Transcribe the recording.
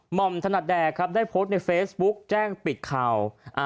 อมถนัดแดครับได้โพสต์ในเฟซบุ๊กแจ้งปิดข่าว